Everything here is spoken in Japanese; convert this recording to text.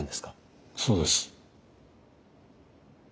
そうです。